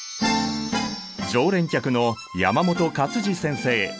常連客の山本勝治先生！